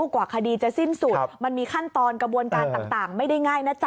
กว่าคดีจะสิ้นสุดมันมีขั้นตอนกระบวนการต่างไม่ได้ง่ายนะจ๊